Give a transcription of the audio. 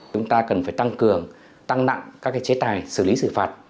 chúng ta cần phải tăng cường tăng nặng các chế tài xử lý xử phạt